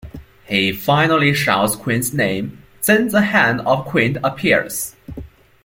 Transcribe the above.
He finally shouts Quint's name, then the hand of Quint appears.